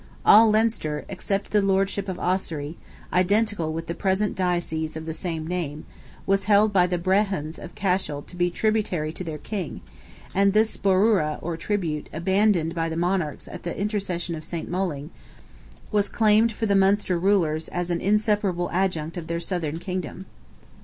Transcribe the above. All Leinster, except the lordship of Ossory—identical with the present diocese of the same name was held by the Brehons of Cashel to be tributary to their king; and this Borooa or tribute, abandoned by the monarchs at the intercession of Saint Moling, was claimed for the Munster rulers as an inseparable adjunct of their southern kingdom.